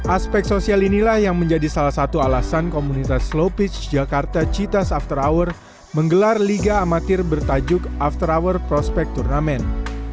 aspek sosial inilah yang menjadi salah satu alasan komunitas slow pitch jakarta citas after hour menggelar liga amatir bertajuk after hour prospect turnamen